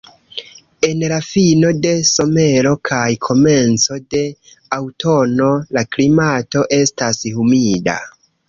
En la fino de somero kaj komenco de aŭtuno la klimato estas humida.